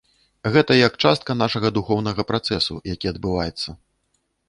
Гэта як частка нашага духоўнага працэсу, які адбываецца.